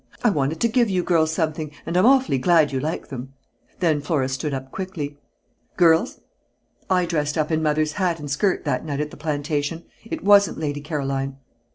"I wanted to give you girls something, and I'm awfully glad you like them." Then Flora stood up quickly. "Girls! I dressed up in Mother's hat and skirt, that night at the plantation. It wasn't Lady Caroline."